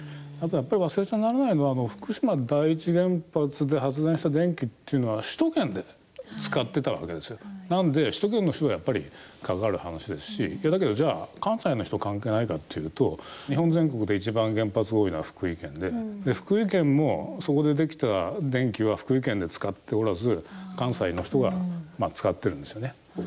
忘れちゃならないのは首都圏の人がやっぱり関わる話ですしだけど、じゃあ関西の人関係ないかっていうと日本全国で一番、原発多いのは福井県で福井県もそこでできた電気は福井県で使っておらず関西の人が使ってるんですよね。